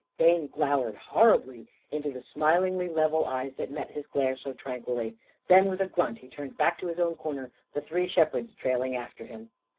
Bayne glowered horribly into the smilingly level eyes that met his glare so tranquilly. Then, with a grunt, he turned back to his own corner, the three shepherds trailing after him.